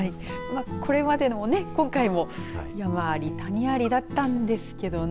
これまでのも今回も山あり谷ありだったんですけどね。